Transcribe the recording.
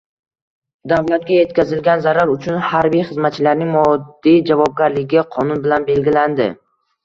Davlatga yetkazilgan zarar uchun harbiy xizmatchilarning moddiy javobgarligi qonun bilan belgilandi